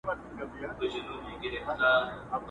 شمع هر څه ویني راز په زړه لري!!